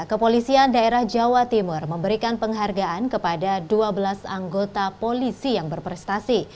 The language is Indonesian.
kepolisian daerah jawa timur memberikan penghargaan kepada dua belas anggota polisi yang berprestasi